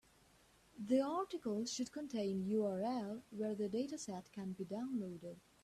The article should contain URL where the dataset can be downloaded.